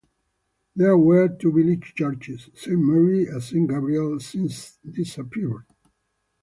There were two village churches, Saint Mary and Saint Gabriel, since disappeared.